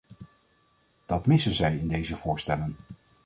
Dat missen zij in deze voorstellen.